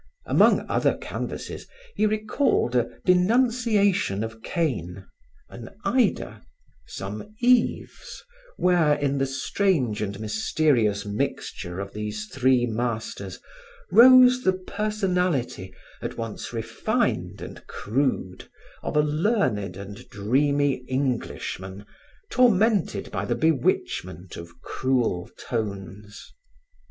Among other canvasses, he recalled a Denunciation of Cain, an Ida, some Eves where, in the strange and mysterious mixture of these three masters, rose the personality, at once refined and crude, of a learned and dreamy Englishman tormented by the bewitchment of cruel tones.